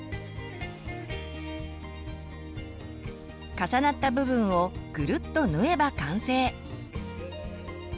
重なった部分をぐるっと縫えば完成。